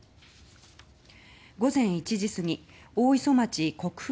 午前１時すぎ大磯町国府